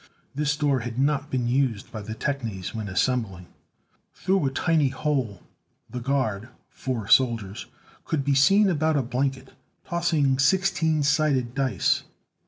This door had not been used by the technies when assembling. Through a tiny hole the guard, four soldiers, could be seen about a blanket, tossing sixteen sided dice.